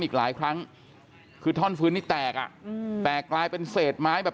อีกหลายครั้งคือท่อนฟื้นนี้แตกอ่ะอืมแตกกลายเป็นเศษไม้แบบ